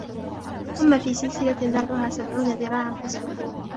ثم في سلسلة ذرعها سبعون ذراعا فاسلكوه